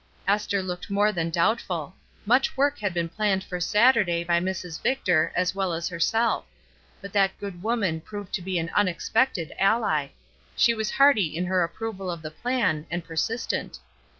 Esther looked more than doubtful. Much 256 ESTER RIED'S NAMESAKE work had been planned for Saturday by Mrs. Victor, as well as herself. But that good woman proved to be an unexpected ally; she was hearty in her approval of the plan, and persistent.